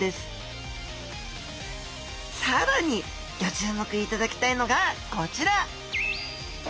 更にギョ注目いただきたいのがこちら！